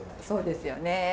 そうですよね